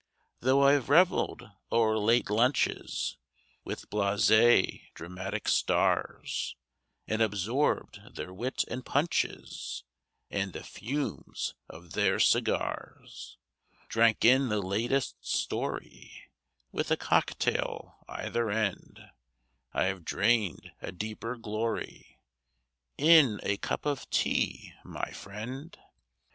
Though I've reveled o'er late lunches With blasé dramatic stars, And absorbed their wit and punches And the fumes of their cigars Drank in the latest story, With a cock tail either end, I have drained a deeper glory In a cup of tea, my friend.